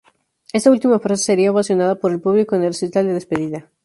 Esta última frase, sería ovacionada por el público en el recital de despedida.